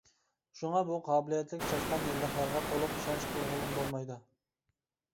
شۇڭا بۇ قابىلىيەتلىك چاشقان يىللىقلارغا تولۇق ئىشەنچ قىلغىلىمۇ بولمايدۇ.